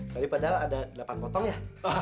tapi padahal ada delapan potong ya